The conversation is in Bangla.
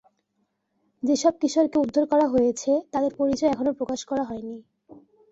যেসব কিশোরকে উদ্ধার করা হয়েছে, তাদের পরিচয় এখনো প্রকাশ করা হয়নি।